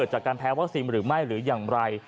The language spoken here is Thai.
หรือไม่หรือยังไร